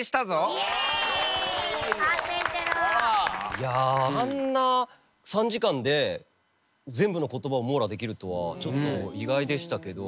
いやあんな３時間で全部の言葉を網羅できるとはちょっと意外でしたけど。